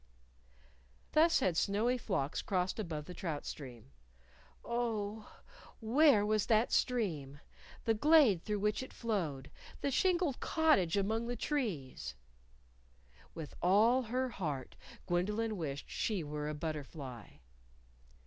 Thus had snowy flocks crossed above the trout stream. Oh? where was that stream? the glade through which it flowed? the shingled cottage among the trees? With all her heart Gwendolyn wished she were a butterfly.